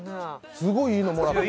すごいいいの、もらった。